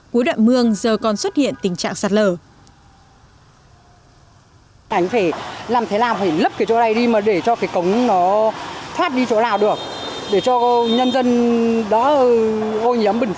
cuối đoạn mương giờ còn xuất hiện tình trạng sạt lở